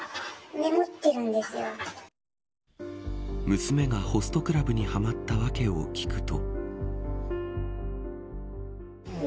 娘がホストクラブにはまった訳を聞くと。